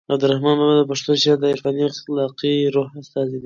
عبدالرحمان بابا د پښتو شعر د عرفاني او اخلاقي روح استازی دی.